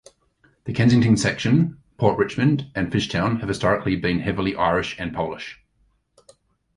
The Kensington section, Port Richmond, and Fishtown have historically been heavily Irish and Polish.